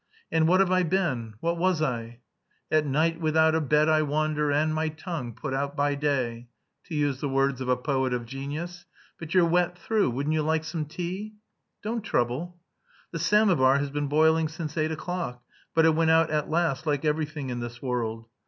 And what have I been; what was I? 'At night without a bed I wander And my tongue put out by day...' to use the words of a poet of genius. But you're wet through.... Wouldn't you like some tea?" "Don't trouble." "The samovar has been boiling since eight o'clock, but it went out at last like everything in this world.